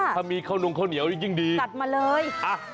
ถ้ามีข้าวนมข้าวเหนียวอย่างยิ่งดีค่ะมาเลยตัดนะ